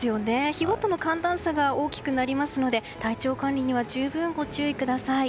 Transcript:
日ごとの寒暖差が大きくなりますので体調管理には十分ご注意ください。